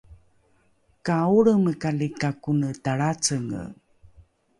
ka olremekali ka kone talracenge